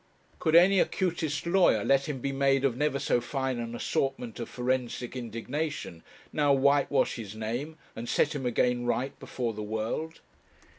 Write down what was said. Could any acutest lawyer, let him be made of never so fine an assortment of forensic indignation, now whitewash his name and set him again right before the world?